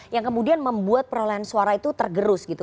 yang kemudian membuat perolehan suara itu tergerus gitu